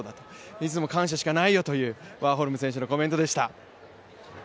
いつも感謝しかないよというワーホルム選手のコメントでした。